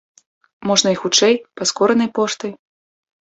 Можна і хутчэй, паскоранай поштай.